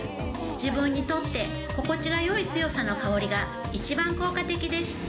自分にとって心地がよい強さの香りが一番効果的です。